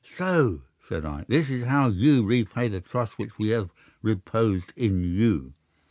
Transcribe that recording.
"'"So!" said I. "This is how you repay the trust which we have reposed in you.